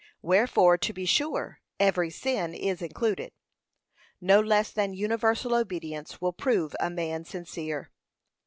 Wherefore, to be sure, every sin is included. No less than universal obedience will prove a man sincere.